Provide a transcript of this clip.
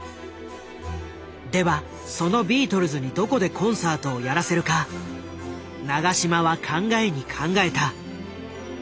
ではそのビートルズにどこでコンサートをやらせるか永島は考えに考えた。